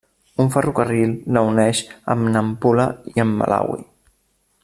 Un ferrocarril la uneix amb Nampula i amb Malawi.